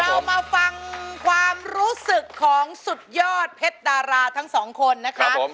เรามาฟังความรู้สึกของสุดยอดเพชรดาราทั้งสองคนนะคะ